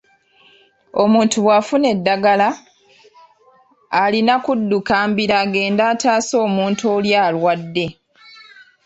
Omuntu bw'afuna eddagala, alina kudduka mbiro agende ataase omuntu oli alwadde.